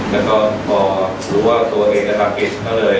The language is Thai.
แล้วก็พอรู้ว่าตัวเองจะทำเป็นก็เลย